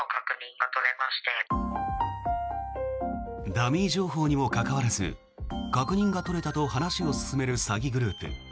ダミー情報にもかかわらず確認が取れたと話を進める詐欺グループ。